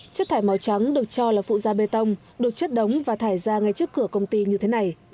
chất thải màu trắng được cho là phụ gia bê tông được chất đóng và thải ra ngay trước cửa công ty như thế này